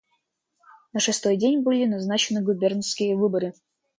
На шестой день были назначены губернские выборы.